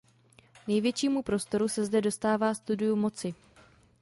Největšímu prostoru se zde dostává studiu moci.